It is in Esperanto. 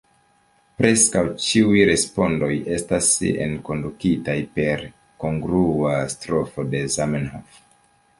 Preskaŭ ĉiuj respondoj estas enkondukitaj per kongrua strofo de Zamenhof.